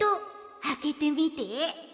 あけてみて！